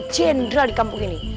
jenderal di kampung ini